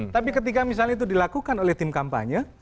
tapi ketika misalnya itu dilakukan oleh tim kampanye